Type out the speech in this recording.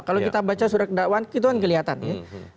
kalau kita baca surat dakwaan itu kan kelihatan ya